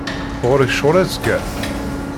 Ɣur-k ccɣel azekka?